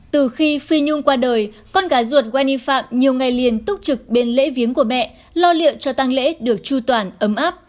từ khi phi nhung qua đời con gái ruột wani phạm nhiều ngày liền túc trực bên lễ viếng của mẹ lo liệu cho tăng lễ được chu toàn ấm áp